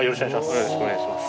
よろしくお願いします。